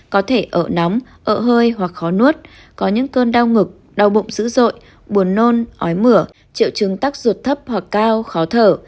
có thể ở nóng ở hơi hoặc khó nuốt có những cơn đau ngực đau bụng dữ dội buồn nôn ói mửa triệu chứng tắc ruột thấp hoặc cao khó thở